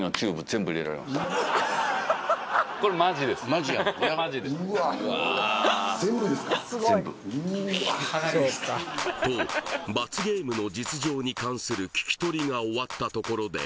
マジやもんなうわと罰ゲームの実情に関する聞き取りが終わったところで